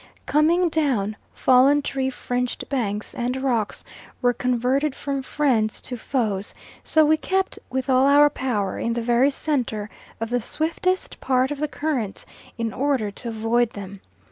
Coming down, fallen tree fringed banks and rocks were converted from friends to foes; so we kept with all our power in the very centre of the swiftest part of the current in order to avoid them.